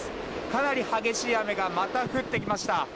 かなり激しい雨がまた降ってきました。